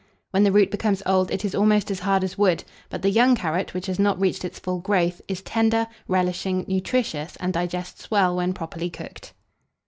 When the root becomes old, it is almost as hard as wood; but the young carrot, which has not reached its full growth, is tender, relishing, nutritious, and digests well when properly cooked.